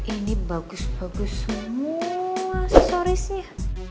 ini bagus bagus semua aksesorisnya